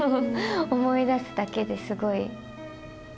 思い出すだけで、すごい。